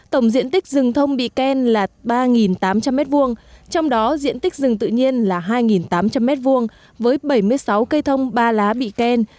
tổng diện tích rừng thông bị khen là ba tám trăm linh m hai trong đó diện tích rừng tự nhiên là hai tám trăm linh m hai với bảy mươi sáu cây thông ba lá bị khen